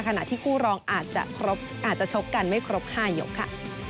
ขณะที่คู่รองอาจจะครบอาจจะชกกันไม่ครบ๕ยกค่ะ